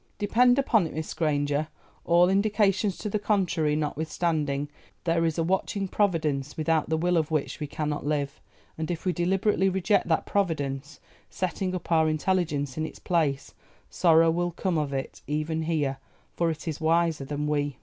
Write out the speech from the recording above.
"Depend upon it, Miss Granger, all indications to the contrary notwithstanding, there is a watching Providence without the will of which we cannot live, and if we deliberately reject that Providence, setting up our intelligence in its place, sorrow will come of it, even here; for it is wiser than we.